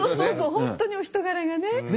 本当にお人柄がね。